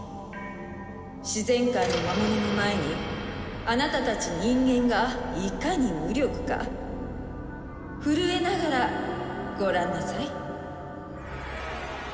自然界の魔物の前にあなたたち人間がいかに無力か震えながらご覧なさい。